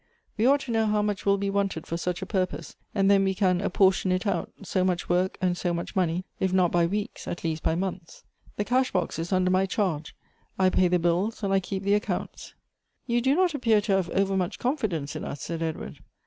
We ought to know how much will be wanted for such a purpose, and then we can apportion it out — so much work, and so much money, if not by weeks, at least by months. The cash box is under my charge. I pay the bills, and I keep the accounts." " You do not appear to have overmuch confidence in us," said Edward.